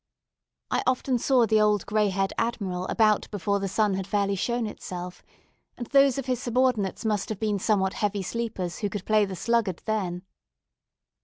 I often saw the old grey haired Admiral about before the sun had fairly shown itself; and those of his subordinates must have been somewhat heavy sleepers who could play the sluggard then.